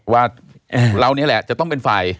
ว่าเรานี่แหละจะต้องเป็นฝ่าย